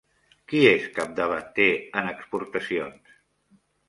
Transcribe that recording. Qui és capdavanter en exportacions?